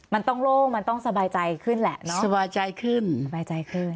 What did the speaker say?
มันต้องโล่งมันต้องสบายใจขึ้นแหละเนาะสบายใจขึ้นสบายใจขึ้น